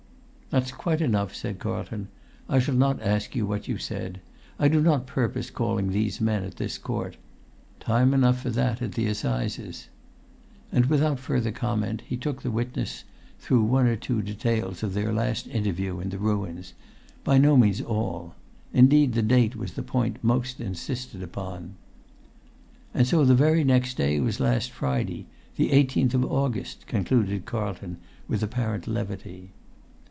"That's quite enough," said Carlton. "I shall not ask you what you said. I do not purpose calling these men, at this court; time enough for that at the assizes." And without further comment he took the witness through one or two details of their last interview in the ruins; by no means all; indeed, the date was the point most insisted upon. "And so the very next day was last Friday, the 18th of August?" concluded Carlton with apparent levity.